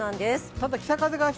ただ、北風が明日